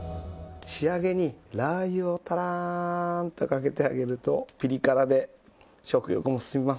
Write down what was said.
仕上げにラー油をたらんとかけてあげるとピリ辛で食欲も進みますよね。